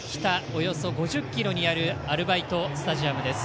およそ５０ｋｍにあるアルバイトスタジアムです。